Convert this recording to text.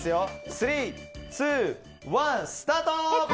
３、２、１、スタート！